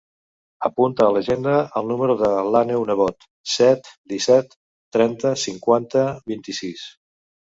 Apunta a l'agenda el número de l'Àneu Nebot: set, disset, trenta, cinquanta, vint-i-sis.